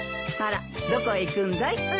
あらどこへ行くんだい？